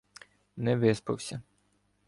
— Не виспався.